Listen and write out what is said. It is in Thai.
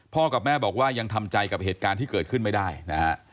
กับแม่บอกว่ายังทำใจกับเหตุการณ์ที่เกิดขึ้นไม่ได้นะฮะ